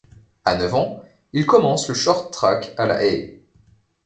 À neuf ans, il commence le short-track à La Haye.